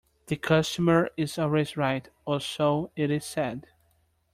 The customer is always right, or so it is said